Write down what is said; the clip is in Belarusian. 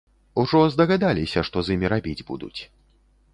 Ужо здагадаліся, што з імі рабіць будуць.